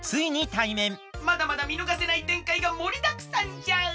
まだまだみのがせないてんかいがもりだくさんじゃ！